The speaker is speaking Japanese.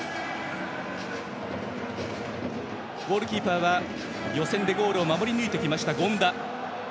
ゴールキーパーは予選でゴールを守り抜いてきました権田。